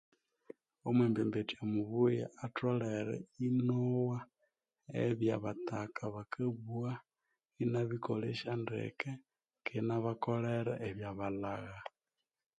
Omwembembethya mubuya atholere inyowa ebya bataka bakabugha inya bikolesya ndeke kandi inya bakolera ebya balhagha